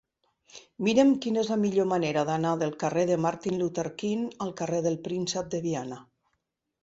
Mira'm quina és la millor manera d'anar del carrer de Martin Luther King al carrer del Príncep de Viana.